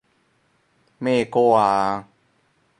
咩歌啊？